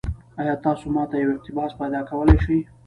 ایا تاسو ما ته یو اقتباس پیدا کولی شئ؟